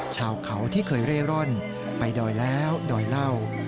ชาวเขาที่เคยเร่ร่อนไปดอยแล้วดอยเหล้า